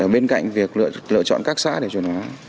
bên cạnh việc lựa chọn các xã để chuẩn hóa